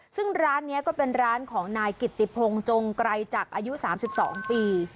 ซึ่งร้านนี้ก็เป็นร้านของนายกิตติพงศ์จงไกรจักรอายุ๓๒ปี